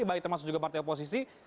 baik termasuk juga partai oposisi